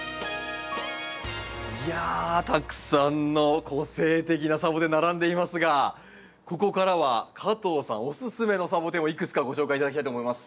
いやたくさんの個性的なサボテン並んでいますがここからは加藤さんおすすめのサボテンをいくつかご紹介頂きたいと思います。